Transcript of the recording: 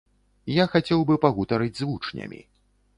Я хацеў бы пагутарыць з вучнямі.